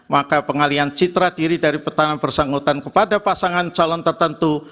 maka pengalian citra diri dari petahanan bersangkutan kepada pasangan calon tertentu